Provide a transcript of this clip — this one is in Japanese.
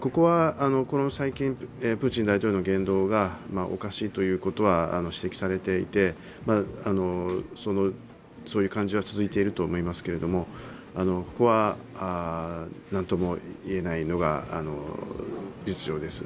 プーチン大統領の言動がおかしいということは指摘されていてそういう感じは続いていると思いますけれども、なんとも言えないのが実情です。